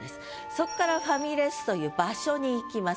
そっから「ファミレス」という場所にいきます。